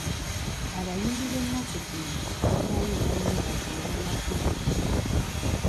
Abayimbi b'ennaku zino tebakyayimba nnyimba ziyina makulu.